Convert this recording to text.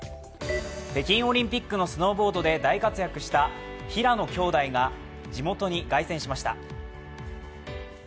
北京オリンピックのスノーボードで大活躍した平野兄弟が地元に凱旋しました。